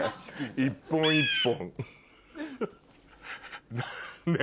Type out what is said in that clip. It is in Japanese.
一本一本。